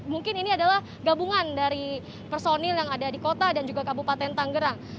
mungkin ini adalah gabungan dari personil yang ada di kota dan juga kabupaten tanggerang